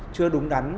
chưa đúng đắn